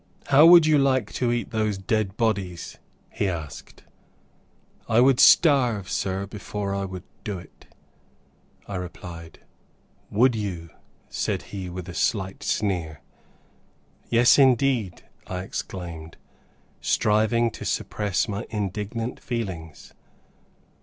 "How would you like to eat those dead bodies?" he asked. "I would starve, Sir, before I would do it," I replied. "Would you?" said he, with a slight sneer. "Yes indeed," I exclaimed, striving to suppress my indignant feelings.